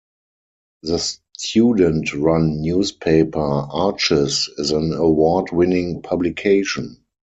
The student-run newspaper, "Arches", is an award-winning publication.